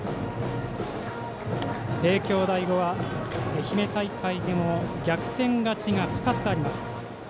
帝京第五は、愛媛大会でも逆転勝ちが２つあります。